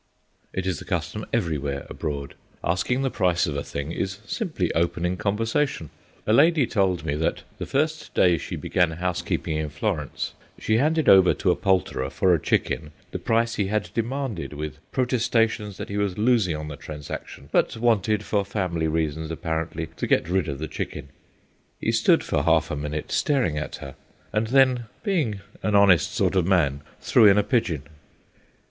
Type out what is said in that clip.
It is the custom everywhere abroad—asking the price of a thing is simply opening conversation. A lady told me that, the first day she began housekeeping in Florence, she handed over to a poulterer for a chicken the price he had demanded—with protestations that he was losing on the transaction, but wanted, for family reasons, apparently, to get rid of the chicken. He stood for half a minute staring at her, and then, being an honest sort of man, threw in a pigeon.